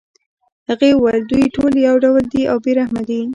هغې ویل دوی ټول یو ډول دي او بې رحمه دي